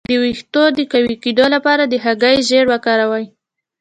د ویښتو د قوي کیدو لپاره د هګۍ ژیړ وکاروئ